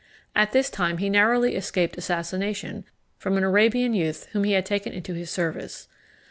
At this time he narrowly escaped assassination from an Arabian youth whom he had taken into his service.